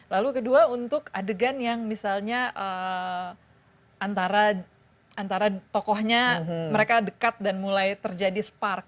lalu kedua untuk adegan yang misalnya antara tokohnya mereka dekat dan mulai terjadi spark